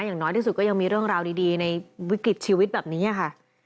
อย่างน้อยที่สุดก็ยังมีเรื่องราวดีในวิกฤตชีวิตแบบนี้ค่ะ